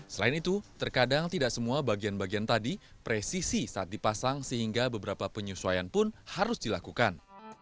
selain itu terkadang tidak semua bagian bagian tadi presisi saat dipasang sehingga beberapa penyesuaian pun harus dilakukan